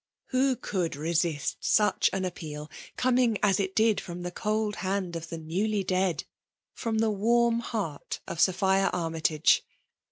Who could resist such an appeal, coming as it£d firoin the cold hand of the newly dead; frotn the warm heart of Sopliia Armytagc?